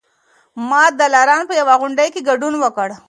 ما د دلارام په یوه غونډه کي ګډون وکړی